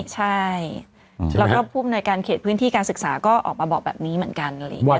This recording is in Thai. ใช่แล้วก็ภูมิในการเขตพื้นที่การศึกษาก็ออกมาบอกแบบนี้เหมือนกันเลย